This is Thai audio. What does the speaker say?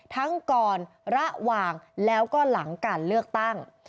ทั้งก่อนระหว่างแล้วก็หลังการเลือกตั้ง